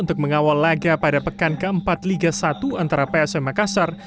untuk mengawal laga pada pekan keempat liga satu antara psm makassar